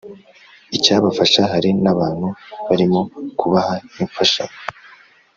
Icyabafasha hari n abantu barimo kubaha imfashanyo